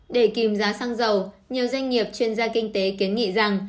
để kìm giá xăng dầu nhiều doanh nghiệp chuyên gia kinh tế kiến nghị rằng